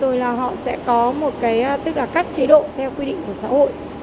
rồi là họ sẽ có một cái tức là các chế độ theo quy định của xã hội